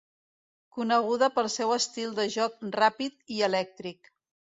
Coneguda pel seu estil de joc ràpid i elèctric.